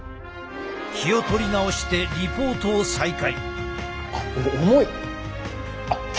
気を取り直してリポートを再開。